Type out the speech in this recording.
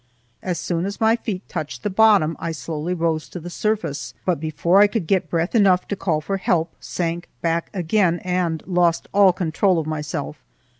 As soon as my feet touched the bottom, I slowly rose to the surface, but before I could get breath enough to call for help, sank back again and lost all control of myself.